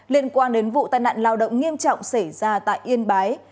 liên quan đến vụ tai nạn lao động nghiêm trọng xảy ra tại yên bái